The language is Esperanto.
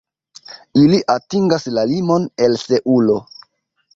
Ili atingas la limon el Seulo.